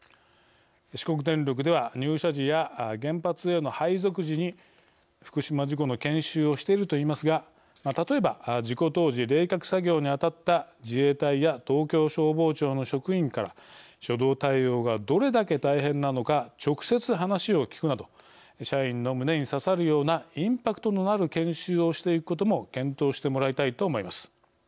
四国電力では入社時や原発への配属時に福島事故の研修をしているといいますが例えば、事故当時冷却作業にあたった自衛隊や東京消防庁の職員から初動対応がどれだけ大変なのか直接話を聞くなど社員の胸に刺さるようなインパクトのある研修をしていくことも検討してもらいたいと思います。